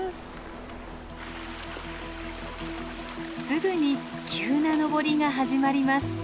すぐに急な登りが始まります。